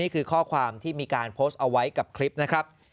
ข้อความที่มีการโพสต์เอาไว้กับคลิปนะครับ